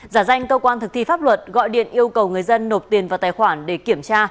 giả danh cơ quan thực thi pháp luật gọi điện yêu cầu người dân nộp tiền vào tài khoản để kiểm tra